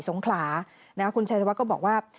สงขลาคุณชัยธวัฒน์ก็บอกว่า